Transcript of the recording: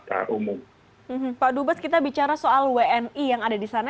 pak dubes kita bicara soal wni yang ada di sana